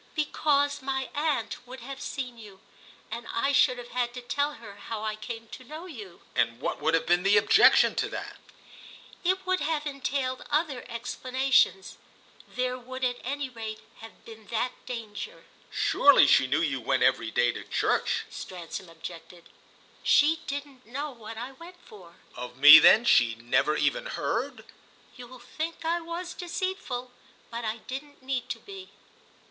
"Because my aunt would have seen you, and I should have had to tell her how I came to know you." "And what would have been the objection to that?" "It would have entailed other explanations; there would at any rate have been that danger." "Surely she knew you went every day to church," Stransom objected. "She didn't know what I went for." "Of me then she never even heard?" "You'll think I was deceitful. But I didn't need to be!"